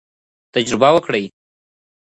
تجربه وکړئ.